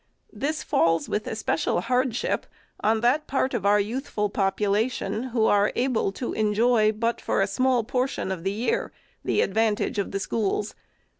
This falls with especial hardship on that part of our youthful popu lation, who are able to enjoy, but for a small portion of the year, the advantage of the schools.